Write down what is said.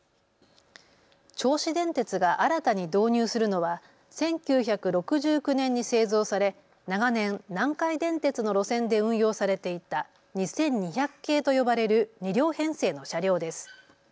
銚子電鉄が新たに導入するのは１９６９年に製造され長年、南海電鉄の路線で運用されていた２２００系と呼ばれる２両編成の車両です。